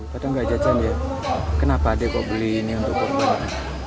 padahal nggak jajan ya kenapa adik kok beli ini untuk berkurban